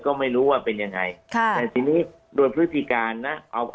ก็ไม่รู้ว่าเป็นยังไงค่ะแต่ทีนี้โดยพฤติการนะเอา